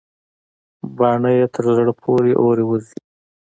باڼه يې تر زړه پورې اورې وزي.